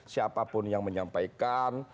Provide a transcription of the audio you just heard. siapapun yang menyampaikan